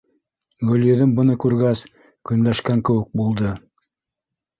Гөлйөҙөм, быны күргәс, көнләшкән кеүек булды: